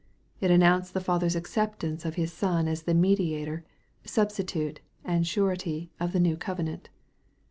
It announced the .Father's acceptance of the Son as the Mediator, Substi tute, and Surety of the new covenant.